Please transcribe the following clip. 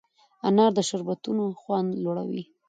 انار د شربتونو خوند لوړوي.